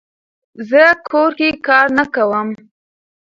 زه کور کې کار نه کووم